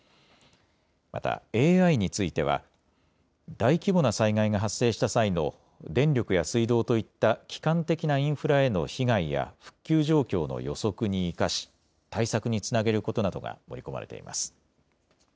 またＡＩについては大規模な災害が発生した際の電力や水道といった基幹的なインフラへの被害や復旧状況の予測に生かし対策につなげることなどが盛り込まれています。